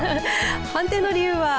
判定の理由は。